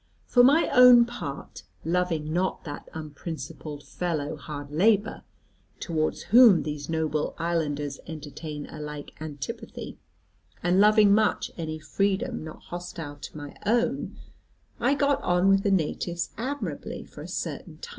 For my own part, loving not that unprincipled[#] fellow hard labour, towards whom these noble islanders entertain a like antipathy, and loving much any freedom not hostile to my own, I got on with the natives admirably, for a certain time.